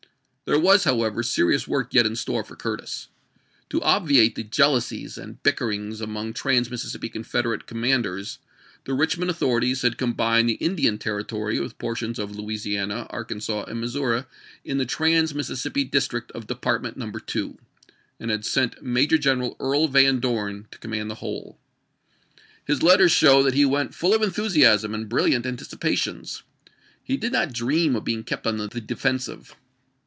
There was, however, serious work yet in store for Curtis. To obviate the jealousies and bicker ings among Trans Mississippi Confederate com manders, the Eichmond authorities had combined the Indian Territory with portions of Louisiana, Arkansas, and Missouri in the Trans Mississippi "'''VW'^" District of Department No. II., and had sent Major ^°i.Vi^" Ceneral Earl Van Dorn to command the whole. His letters show that he went full of enthusiasm and brilliant anticipations. He did not dream of being kept on the defensive.